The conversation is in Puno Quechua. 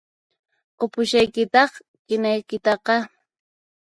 Qupushaykitáq qinaykitaqá